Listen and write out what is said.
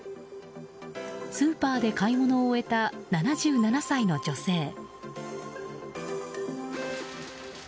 スーパーで買い物を終えた７７歳の女性。